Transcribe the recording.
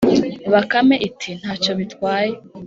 “bakame iti:” nta cyo bitwaye,